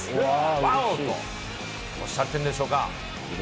ワオーっとおっしゃってるんでしょうか。